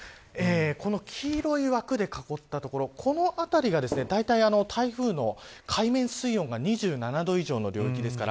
この黄色い枠で囲った所この辺りがだいたい台風の海面水温が２７度以上の領域です。